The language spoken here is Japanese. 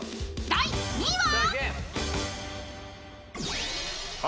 ［第３位は？］